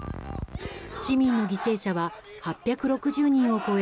市民の犠牲者は８６０人を超え